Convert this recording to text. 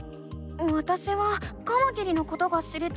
わたしはカマキリのことが知りたいの。